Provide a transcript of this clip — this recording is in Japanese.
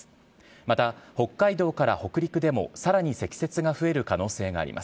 また、北海道から北陸でも、さらに積雪が増える可能性があります。